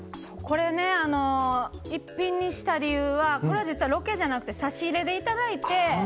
逸品にした理由はこれ、実はロケじゃなくて差し入れでいただいて。